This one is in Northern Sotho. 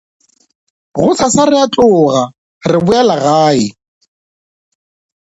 Gosasa re a tloga re boela gae.